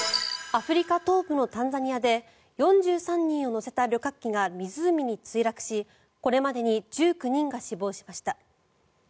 アフリカ東部のタンザニアで４３人を乗せた旅客機が湖に墜落しこれまでに１９人が死亡しました。